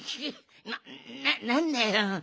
ななんだよ。